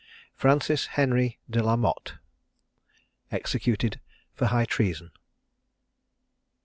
FRANCIS HENRY DE LA MOTTE. EXECUTED FOR HIGH TREASON.